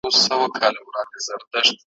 جهاني طبیب مي راکړه د درمل په نامه زهر `